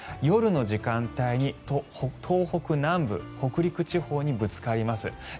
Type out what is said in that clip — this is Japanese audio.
夜の時間帯に東北南部北陸地方にぶつかります。